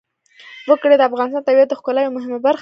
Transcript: وګړي د افغانستان د طبیعت د ښکلا یوه مهمه برخه ده.